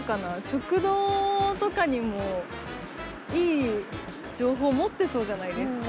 食堂とかにもいい情報持ってそうじゃないですか？